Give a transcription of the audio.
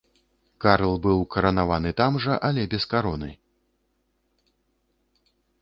Карл быў каранаваны там жа, але без кароны.